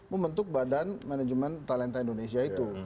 membentuk badan manajemen talenta indonesia itu